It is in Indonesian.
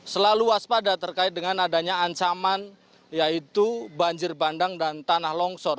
selalu waspada terkait dengan adanya ancaman yaitu banjir bandang dan tanah longsor